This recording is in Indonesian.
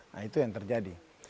nah itu yang terjadi